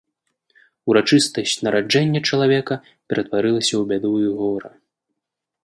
Урачыстасць нараджэння чалавека ператваралася ў бяду і гора.